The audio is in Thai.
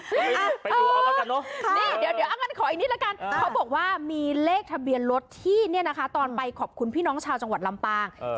เดี๋ยวขออีกนิดละกันเขาบอกว่ามีเลขทะเบียนรถที่ตอนไปขอบคุณพี่น้องชาวจังหวัดลำปาง